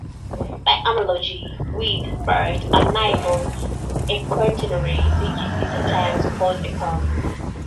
By analogy with "byte" and "nybble", a quaternary digit is sometimes called a "crumb".